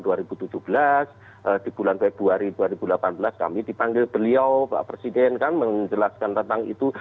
di bulan februari dua ribu delapan belas kami dipanggil beliau pak presiden kan menjelaskan tentang itu